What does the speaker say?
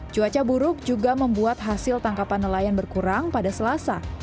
cuaca buruk juga membuat hasil tangkapan nelayan berkurang pada selasa